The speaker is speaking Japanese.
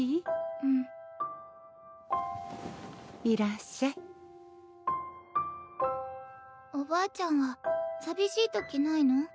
うんいらっしゃいおばあちゃんは寂しいときないの？